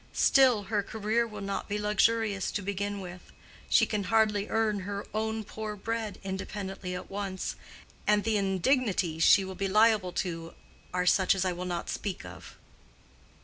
Still, her career will not be luxurious to begin with: she can hardly earn her own poor bread independently at once, and the indignities she will be liable to are such as I will not speak of."